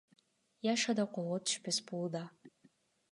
Яша да колго түшпөс болууда.